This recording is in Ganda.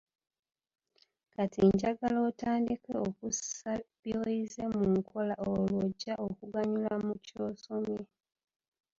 K ati njagala otandike okussa by'oyize mu nkola olwo lw'ojja okuganyulwa mu ky'osomye.